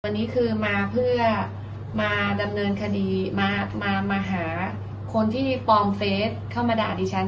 วันนี้คือมาเพื่อมาดำเนินคดีมาหาคนที่ปลอมเฟสเข้ามาด่าดิฉัน